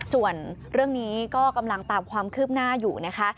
ส่วนเรื่องนี้ก็กำลังตามความคืบหน้าอยู่นะคะ